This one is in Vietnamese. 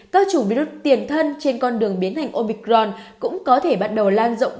các chủng virus tiền thân trên con đường biến thành omicron cũng có thể bắt đầu lan rộng